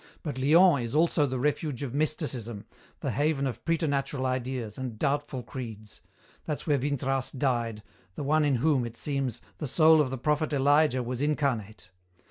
But Lyons is also the refuge of mysticism, the haven of preternatural ideas and doubtful creeds. That's where Vintras died, the one in whom, it seems, the soul of the prophet Elijah was incarnate.